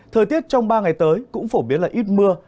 thời tiết trong ba ngày tới cũng phổ biến là ít mưa